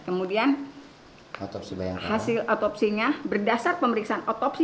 kemudian hasil otopsinya berdasar pemeriksaan otopsi